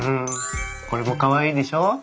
これもかわいいでしょ？